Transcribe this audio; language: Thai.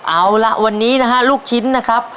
เอาล่ะวันนี้นะฮะลูกชิ้นนะครับ